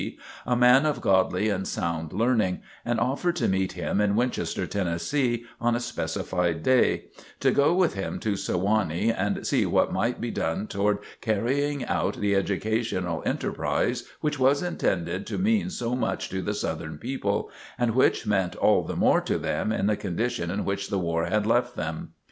a "man of godly and sound learning," and offered to meet him in Winchester, Tennessee, on a specified day; to go with him to Sewanee and see what might be done toward carrying out the educational enterprise which was intended to mean so much to the Southern people, and which meant all the more to them in the condition in which the war had left them.